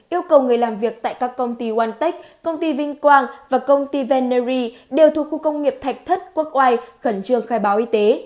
yêu cầu người làm việc tại các công ty ontec công ty vinh quang và công ty veneyr đều thuộc khu công nghiệp thạch thất quốc oai khẩn trương khai báo y tế